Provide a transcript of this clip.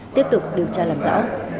tiếp tục điều tra làm rõ